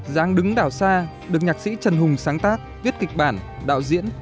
giáng đứng đảo xa được nhạc sĩ trần hùng sáng tác viết kịch bản đạo diễn